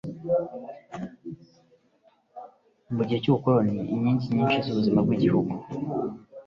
Mu gihe cy’ubukoloni, inkingi nyinshi z’ubuzima bw’Igihugu